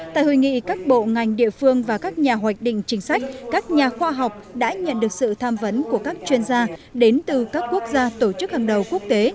tại hội nghị các bộ ngành địa phương và các nhà hoạch định chính sách các nhà khoa học đã nhận được sự tham vấn của các chuyên gia đến từ các quốc gia tổ chức hàng đầu quốc tế